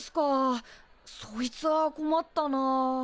そいつは困ったなあ。